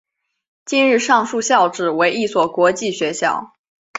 今日上述校扯为一所国际学校。